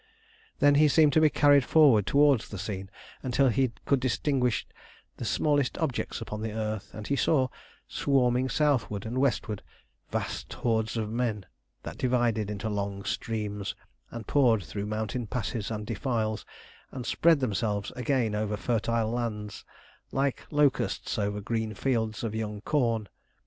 _] Then he seemed to be carried forward towards the scene until he could distinguish the smallest objects upon the earth, and he saw, swarming southward and westward, vast hordes of men, that divided into long streams, and poured through mountain passes and defiles, and spread themselves again over fertile lands, like locusts over green fields of young corn.